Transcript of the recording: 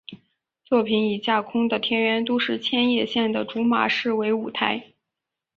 作品以架空的田园都市千叶县的竹马市为舞台。